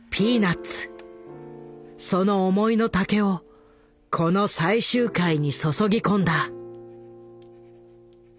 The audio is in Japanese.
その思いの丈をこの最終回に注ぎ込んだ。